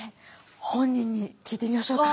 本人に聞いてみましょうか。